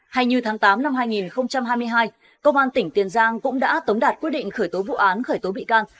hay như tháng tám năm hai nghìn hai mươi hai công an tỉnh tiền giang cũng đã tống đạt quyết định khởi tố vụ án khởi tố bị can